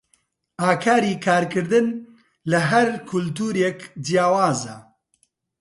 ئاکاری کارکردن لە هەر کولتوورێک جیاوازە.